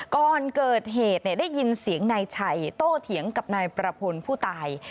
ก่อนเกิดเหตุได้ยินเสียงนายชัยโต้เถียงกับนายประพลผู้ตาย